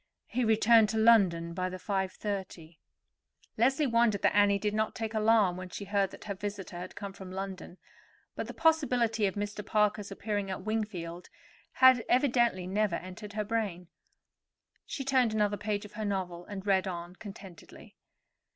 He returned to London by the 5.30." Leslie wondered that Annie did not take alarm when she heard that her visitor had come from London; but the possibility of Mr. Parker's appearing at Wingfield had evidently never entered her brain. She turned another page of her novel, and read on contentedly.